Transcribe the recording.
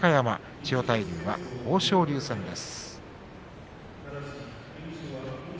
千代大龍は豊昇龍戦です。